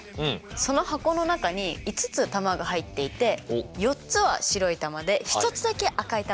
その箱の中に５つ球が入っていて４つは白い球で１つだけ赤い球です。